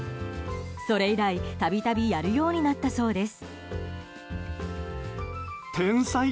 それ以来、度々やるようになったそうです。